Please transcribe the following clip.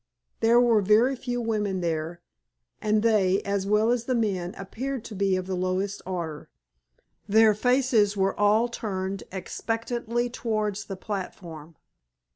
There were very few women there, and they, as well as the men, appeared to be of the lowest order. Their faces were all turned expectantly towards the platform.